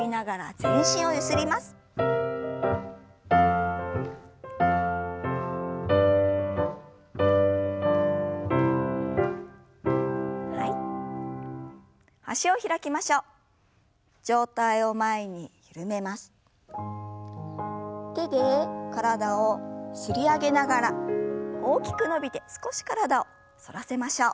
手で体を擦り上げながら大きく伸びて少し体を反らせましょう。